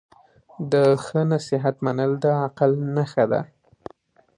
د ښه نصیحت منل د عقل نښه ده.